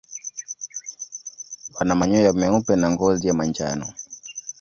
Wana manyoya meupe na ngozi ya manjano.